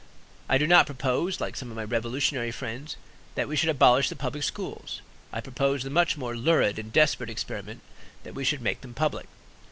I do not propose (like some of my revolutionary friends) that we should abolish the public schools. I propose the much more lurid and desperate experiment that we should make them public.